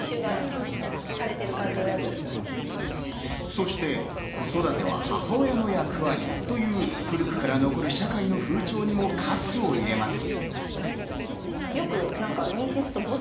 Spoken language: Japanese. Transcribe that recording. そして子育ては母親の役割という古くから残る社会の風潮にも喝を入れます。